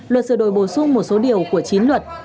luật sửa đổi bổ sung một số điều của chính luật